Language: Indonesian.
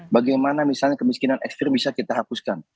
bagaimana misalnya kemiskinan ekstrim bisa kita hapuskan